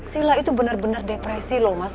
sila itu bener bener depresi lho mas